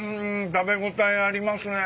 食べ応えありますね。